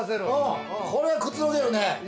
これくつろげるね。